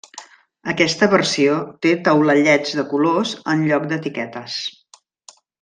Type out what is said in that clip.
Aquesta versió té taulellets de colors en lloc d'etiquetes.